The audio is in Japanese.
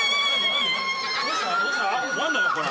何だよこれ。